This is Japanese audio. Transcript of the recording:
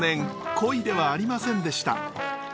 コイではありませんでした。